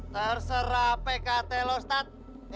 terserah pkt lo start